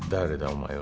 お前は。